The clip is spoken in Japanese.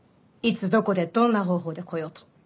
いつどこでどんな方法でこようと。